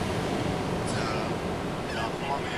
مثبت فکر وخت نه زیانمنوي.